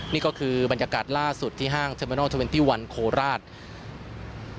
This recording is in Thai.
นี่ก็คือบรรยากาศล่าสุดที่ห้างเทอร์มินัล๒๑โคราช